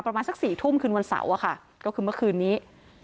ประมาณสัก๔ทุ่มคืนวันเสาร์อะค่ะก็คือเมื่อคืนนี้